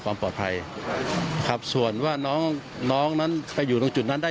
ก็ไกลเหมือนกันแต่มันก็เชื่อมกันได้